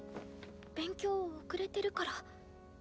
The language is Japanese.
勉強遅れてるから。